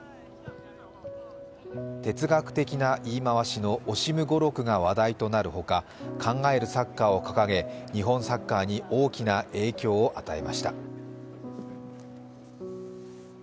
哲学的な言い回しのオシム語録が話題となるほか、考えるサッカーを掲げ日本サッカーに大きな影響を与えました。